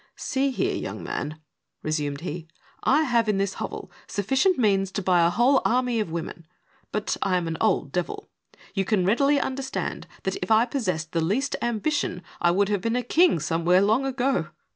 "See here, young man," resumed he. " I have in this hovel sufiS.cient means to buy a whole army of women, but I am an old devil. You can readily understand that, if I possessed the least ambition, I would have been a king somewhere long ago.